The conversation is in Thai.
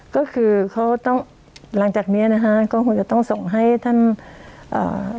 ก็คือเขาต้องหลังจากเนี้ยนะฮะก็คงจะต้องส่งให้ท่านอ่า